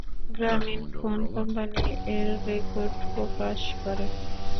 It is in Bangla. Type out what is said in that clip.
গ্রামোফোন কোম্পানি এর রেকর্ড প্রকাশ করে।